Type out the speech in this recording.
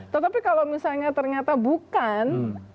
tetapi kalau misalnya ternyata bukan